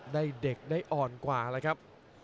เด็กได้อ่อนกว่าแล้วครับ